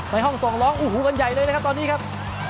ห้องส่งร้องโอ้โหกันใหญ่เลยนะครับตอนนี้ครับ